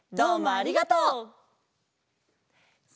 ありがとう。